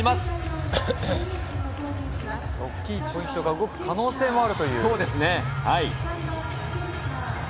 大きいポイントが動く可能性もあるという。